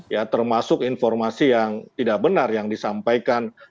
ya termasuk informasi yang tidak benar yang disampaikan melalui stasiun televisi